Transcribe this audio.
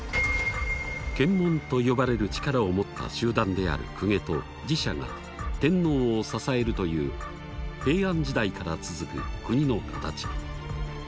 「権門」と呼ばれる力を持った集団である「公家」と「寺社」が天皇を支えるという平安時代から続く国のかたち。